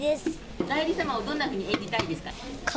お内裏様をどんなふうに演じたいですか。